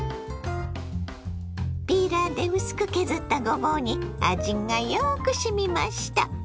ピーラーで薄く削ったごぼうに味がよくしみました。